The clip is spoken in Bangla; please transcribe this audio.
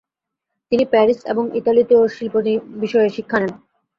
তিনি প্যারিস এবং ইতালিতেও শিল্প বিষয়ে শিক্ষা নেন।